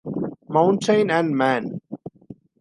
Mountain and man.